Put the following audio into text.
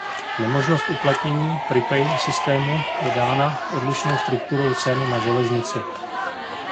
Nemožnost uplatnění "Pre Pay" systému je dána odlišnou strukturou cen na železnici.